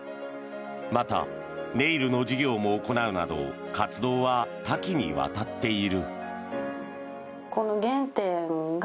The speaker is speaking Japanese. また、ネイルの授業も行うなど活動は多岐にわたっている。